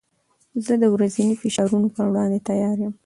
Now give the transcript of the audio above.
زه د ورځني فشارونو پر وړاندې تیار یم.